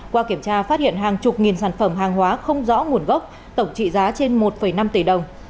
qua kiểm tra phát hiện hàng chục nghìn sản phẩm hàng hóa không rõ nguồn gốc tổng trị giá trên một năm tỷ đồng